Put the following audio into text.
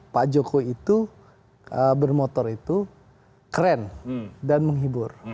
pak jokowi itu bermotor itu keren dan menghibur